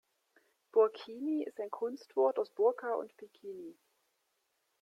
Burkini ist ein Kunstwort aus Burka und Bikini.